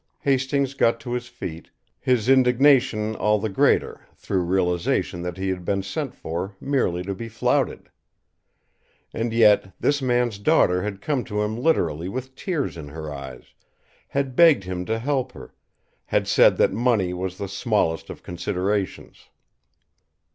Hastings got to his feet, his indignation all the greater through realization that he had been sent for merely to be flouted. And yet, this man's daughter had come to him literally with tears in her eyes, had begged him to help her, had said that money was the smallest of considerations.